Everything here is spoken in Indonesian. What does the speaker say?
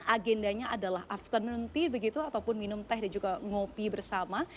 agendanya adalah afternoon tea begitu ataupun minum teh dan juga ngopi bersama